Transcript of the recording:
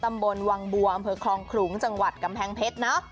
ตำบลวังบัวอำเภอคลองขลุงจังหวัดกำแพงเพชรเนอะ